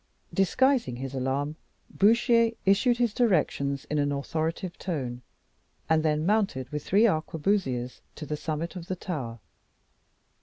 Disguising his alarm, Bouchier issued his directions in an authoritative tone, and then mounted with three arquebusiers to the summit of the tower.